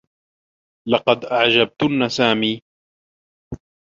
لقد أعجبتنّ سامي.